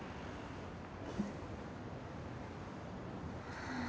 はあ。